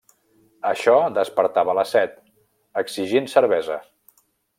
Això despertava la set, exigint cervesa.